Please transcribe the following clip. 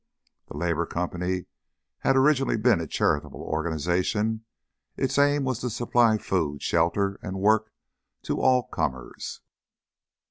The Labour Company had originally been a charitable organisation; its aim was to supply food, shelter, and work to all comers.